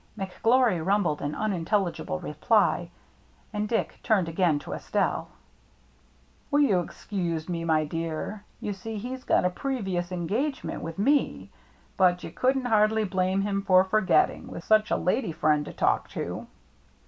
McGlory rumbled an unintelligible reply; and Dick turned again to Estelle. " Will you excuse him, my dear. You see he's got a previous engagement with me. But you couldn't hardly blame him for forgetting, with such a lady friend to talk to."